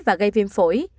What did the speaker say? và gây viêm phổi